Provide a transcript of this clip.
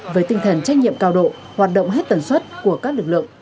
với tinh thần trách nhiệm cao độ hoạt động hết tần suất của các lực lượng